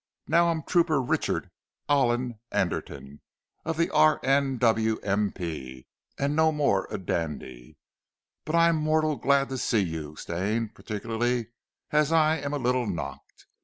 "Now I'm Trooper Richard Alland Anderton of the R.N.W.M.P., and no more a dandy. But I'm mortal glad to see you, Stane, particularly as I'm a little knocked.